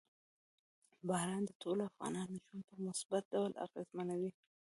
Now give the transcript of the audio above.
باران د ټولو افغانانو ژوند په مثبت ډول اغېزمنوي.